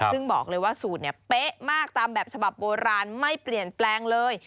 ซึ่งบอกเลยว่าสูตรเนี่ยเป๊ะมากตามแบบฉบับโบราณไม่เปลี่ยนแปลงเลย